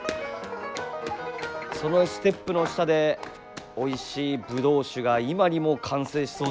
そのステップの下でおいしいぶどう酒が今にも完成しそうです。